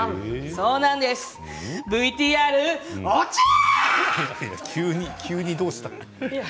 そうなんです、ＶＴＲ、オチャー！